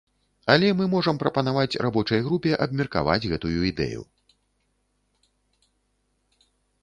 Але мы можам прапанаваць рабочай групе абмеркаваць гэтую ідэю.